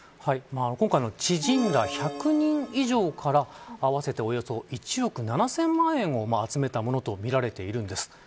今回の知人ら１００人以上から合わせて、およそ１億７０００万円を集めたものとみられているんです。